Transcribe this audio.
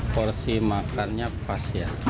porsi makannya pas ya